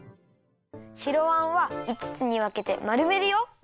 白あんはいつつにわけてまるめるよ。